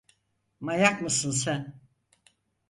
Manyak mısın sen?